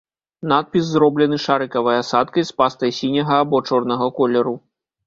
Надпіс зроблены шарыкавай асадкай з пастай сіняга або чорнага колеру.